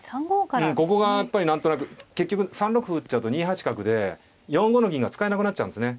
うんここがやっぱり何となく結局３六歩打っちゃうと２八角で４五の銀が使えなくなっちゃうんですね。